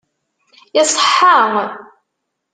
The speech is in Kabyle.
Iṣeḥḥa.